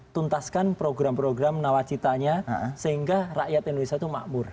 tuntaskan program program nawacitanya sehingga rakyat indonesia itu makmur